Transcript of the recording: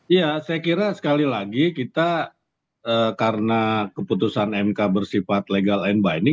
ya saya kira sekali lagi kita karena keputusan mk bersifat legal and binding